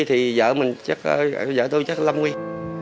thì vợ tôi chắc lâm nguyên